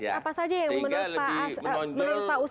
apa saja yang menolong pak usama membuat gerakan ini tidak fokus